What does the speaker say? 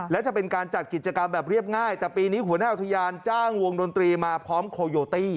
และจะเป็นการจัดกิจกรรมแบบเรียบง่ายแต่ปีนี้หัวหน้าอุทยานจ้างวงดนตรีมาพร้อมโคโยตี้